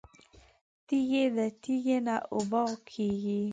تږې ده تږې نه اوبه کیږي